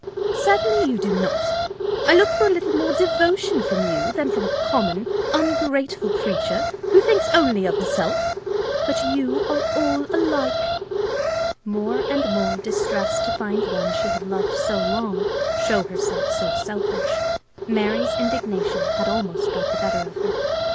"Certainly you do not: I look for a little more devotion from you than from a common, ungrateful creature who thinks only of herself. But you are all alike." More and more distressed to find one she had loved so long show herself so selfish, Mary's indignation had almost got the better of her.